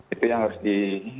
itu yang harus di